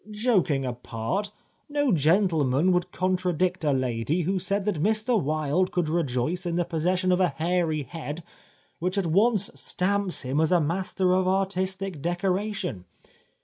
Joking apart, no gentleman would con tradict a lady who said that Mr Wilde could rejoice in the 249 The Life of Oscar Wilde possession of a hairv head which at once stamps him as a master of artistic decoration.